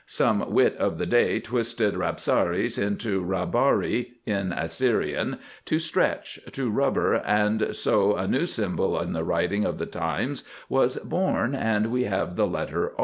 Some wit of the day twisted Rabsaris into Rabari, in Assyrian, to stretch, to Rubber, and so a new symbol in the writing of the times was born and we have the letter R.